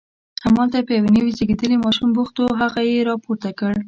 همالته په یو نوي زیږېدلي ماشوم بوخت و، هغه یې راپورته کړ.